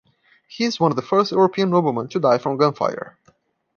He is one of the first European noblemen to die from gunfire.